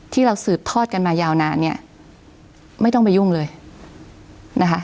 ที่เราสืบทอดกันมายาวนานเนี่ยไม่ต้องไปยุ่งเลยนะคะ